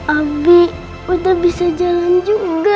abi udah bisa jalan juga